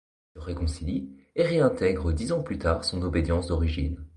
Il se réconcilie et réintègre dix ans plus tard son obédience d'origine.